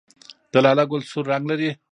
د لاله ګل سور رنګ لري